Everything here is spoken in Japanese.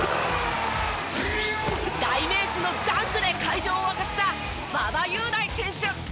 代名詞のダンクで会場を沸かせた馬場雄大選手。